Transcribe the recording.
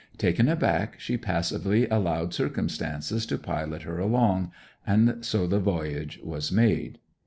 Taken aback she passively allowed circumstances to pilot her along; and so the voyage was made.